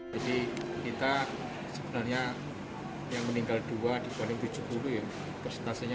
jadi kita sebenarnya yang meninggal dua di paling tujuh puluh ya